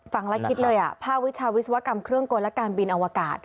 ฟังแล้วคิดเลยภาควิชาวิศวกรรมเครื่องกลและการบินอวกาศ